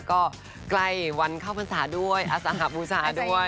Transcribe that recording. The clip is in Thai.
ก็ไกลวันเข้าภาษาด้วยอสหภูชาด้วย